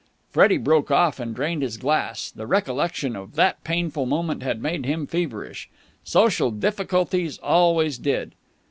Freddie broke off and drained his glass. The recollection of that painful moment had made him feverish. Social difficulties always did.